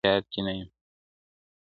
خو ستا به زه اوس هيڅ په ياد كي نه يم.